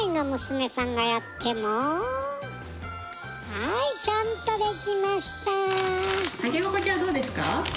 はいちゃんとできました。